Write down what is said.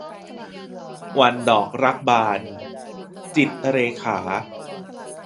วันดอกรักบาน - จิตรเรขา